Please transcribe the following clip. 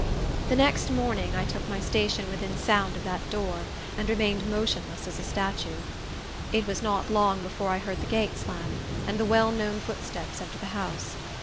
The next morning I took my station within sound of that door, and remained motionless as a statue. It was not long before I heard the gate slam, and the well known footsteps enter the house.